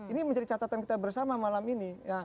ini menjadi catatan kita bersama malam ini